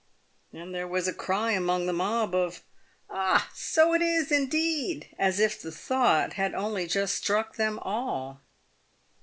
Then there was a cry among the mob of " Ah ! so it is, indeed," as if the thought had only just struck them all.